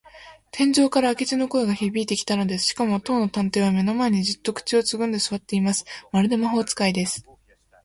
天井から明智の声がひびいてきたのです。しかも、当の探偵は目の前に、じっと口をつぐんですわっています。まるで魔法使いです。